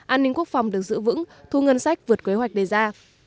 an ninh quốc phòng được giữ vững thu ngân sách vượt kế hoạch đề ra